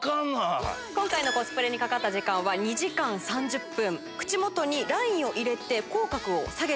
今回のコスプレにかかった時間は２時間３０分。